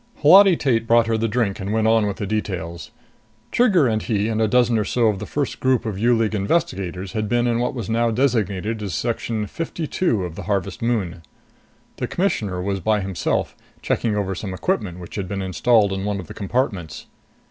17 Holati Tate brought her the drink and went on with the details. Trigger and he and a dozen or so of the first group of U League investigators had been in what was now designated as Section 52 of Harvest Moon. The Commissioner was by himself, checking over some equipment which had been installed in one of the compartments.